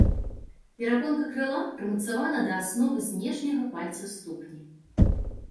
Перапонка крыла прымацавана да асновы знешняга пальца ступні.